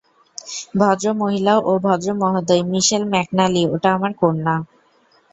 ভদ্রমহিলা ও ভদ্রমহোদয়, মিশেল ম্যাকনালি ওটা আমার কন্যা।